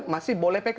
masih boleh pk